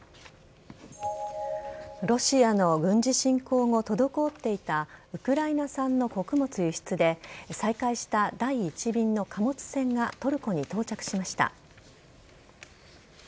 ロシアの軍事侵攻後滞っていたウクライナ産の穀物輸出で再開した第１便の貨物船がトルコに到着しました。